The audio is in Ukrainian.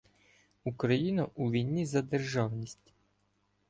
Україна у війні за державність.